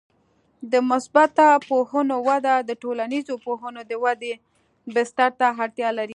د مثبته پوهنو وده د ټولنیزو پوهنو د ودې بستر ته اړتیا لري.